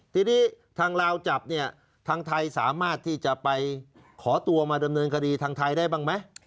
ทีนี้ทางลาวจับเนี่ยทางไทยสามารถที่จะไปขอตัวมาดำเนินคดีทางไทยได้บ้างไหม